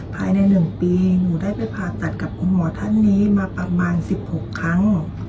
ภายใน๑ปีหนูได้ไปผ่าตัดกับคุณหมอท่านนี้มาประมาณ๑๖ครั้ง